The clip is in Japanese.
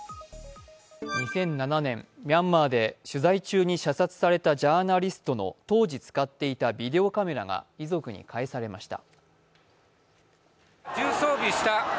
２００７年、ミャンマーで取材中に射殺されたジャーナリストの当時使っていたビデオカメラが遺族に返されました。